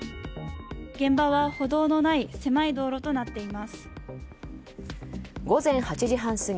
現場は歩道のない狭い道路となっています。